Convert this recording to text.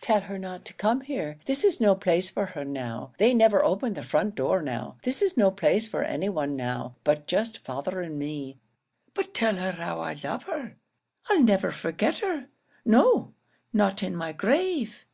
"Tell her not to come here. This is no place for her now. They never open the front door now. This is no place for any one now, but just father and me. But tell her how I love her. I'll never forget her; no, not in my grave!"